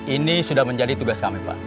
ini sudah menjadi tugas kami pak